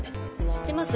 知ってます。